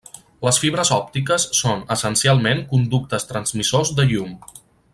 Les fibres òptiques són, essencialment, conductes transmissors de llum.